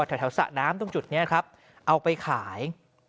แถวสระน้ำตรงจุดนี้ครับเอาไปขาย